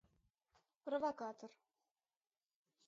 — Провокатор!